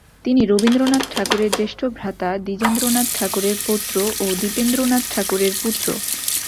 তিনি রবীন্দ্রনাথ ঠাকুরের জ্যেষ্ঠভ্রাতা দ্বিজেন্দ্রনাথ ঠাকুরের পৌত্র ও দ্বীপেন্দ্রনাথ ঠাকুরের পুত্র।